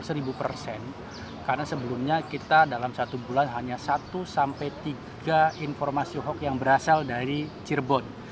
karena sebelumnya kita dalam satu bulan hanya satu sampai tiga informasi hoax yang berasal dari cirebon